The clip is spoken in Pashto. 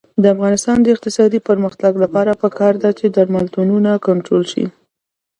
د افغانستان د اقتصادي پرمختګ لپاره پکار ده چې درملتونونه کنټرول شي.